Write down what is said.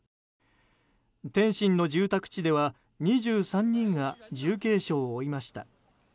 天津の住宅地では２３人が重軽傷を負いました。